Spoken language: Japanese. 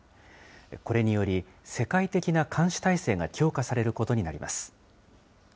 これにより、世界的な監視体制が強化されることになります。